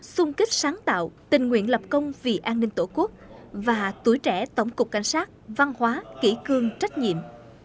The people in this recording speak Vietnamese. sung kích sáng tạo tình nguyện lập công vì an ninh tổ quốc và tuổi trẻ tổng cục cảnh sát văn hóa kỹ cương trách nhiệm